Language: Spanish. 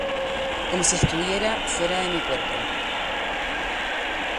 Como si estuviera fuera de mi cuerpo.